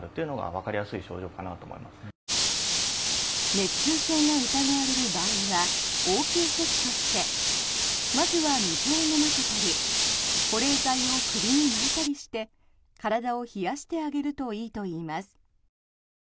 熱中症が疑われる場合は応急処置としてまずは水を飲ませたり保冷剤を首に巻いたりして体を冷やしてあげるといいといいます。